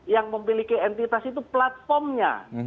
yang memiliki entitas itu platformnya